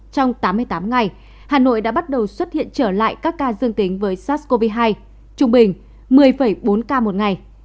trong tám mươi tám ngày hà nội đã bắt đầu xuất hiện trở lại các ca dương tính với sars cov hai trung bình một mươi bốn ca một ngày